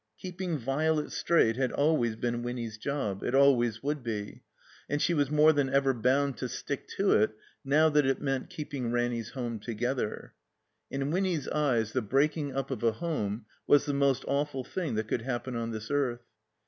Keeping Violet straight had always been Winny's job; it always would be; and she was more than ever bound to stick to it now that it meant keeping Ranny's home together. In Winny's eyes the breaking up of a home was the most awful thing that could happen on this earth.